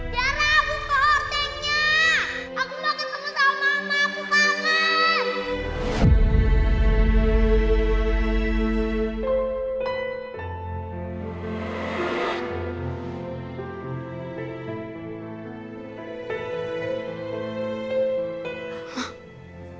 janganlah buka horteknya aku mau ke tempat sama mama aku kangen